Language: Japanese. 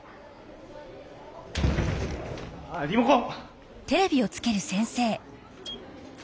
あリモコン！